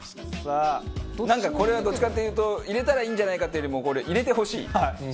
なんかこれはどっちかっていうと入れたらいいんじゃないかというよりもこれ。